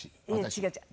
違う違う。